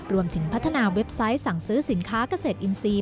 รวมถึงพัฒนาเว็บไซต์สั่งซื้อสินค้าเกษตรอินทรีย์